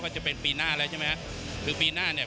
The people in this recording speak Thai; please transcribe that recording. จะเป็นปีหน้าแล้วใช่ไหมฮะคือปีหน้าเนี่ย